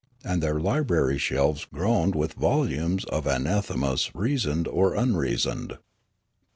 And their library shelves groaned with volumes of anathe mas reasoned or unreasoned.